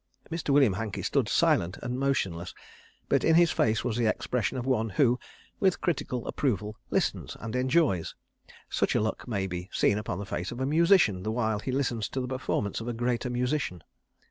Mr. William Hankey stood silent and motionless, but in his face was the expression of one who, with critical approval, listens and enjoys. Such a look may be seen upon the face of a musician the while he listens to the performance of a greater musician.